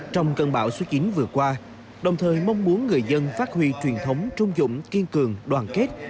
trong cơn bão số chín vừa qua đồng thời mong muốn người dân phát huy truyền thống trung dũng kiên cường đoàn kết